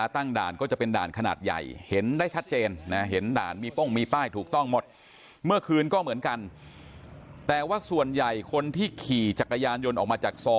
ที่ยืนดูทุกวันครับ